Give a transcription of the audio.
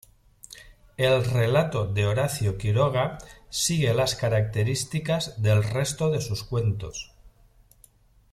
El relato de Horacio Quiroga sigue las características del resto de sus cuentos.